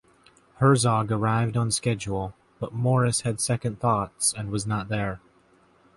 Herzog arrived on schedule, but Morris had second thoughts and was not there.